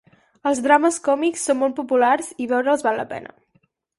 Els drames còmics són molt populars i veure'ls val la pena.